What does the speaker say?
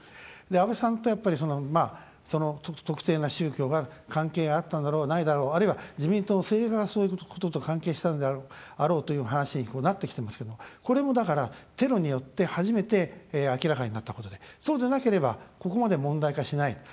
安倍さんと、やっぱり特定の宗教が関係あったんだろうないだろう、あるいは自民党の政治家がそういうことと関係したんであろうという話になってきてますけどもこれも、だからテロによって初めて明らかになったことでそうじゃなければここまで問題化しないと。